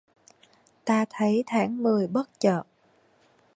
Ta thấy tháng mười bất chợt